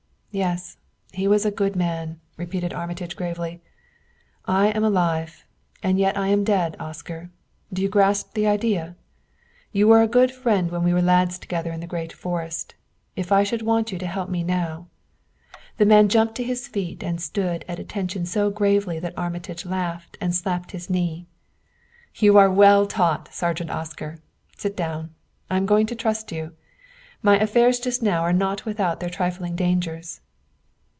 "Yes; he was a good man," repeated Armitage gravely. "I am alive, and yet I am dead, Oscar; do you grasp the idea? You were a good friend when we were lads together in the great forest. If I should want you to help me now " The man jumped to his feet and stood at attention so gravely that Armitage laughed and slapped his knee. "You are well taught, Sergeant Oscar! Sit down. I am going to trust you. My affairs just now are not without their trifling dangers."